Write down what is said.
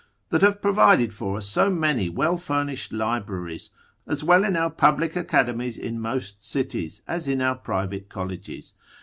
that have provided for us so many well furnished libraries, as well in our public academies in most cities, as in our private colleges?